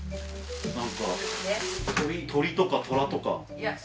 なんか鳥とか虎とか。